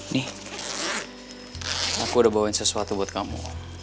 nih aku udah bawain sesuatu buat kamu